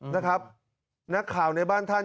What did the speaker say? นะครับนักข่าวในบ้านท่าน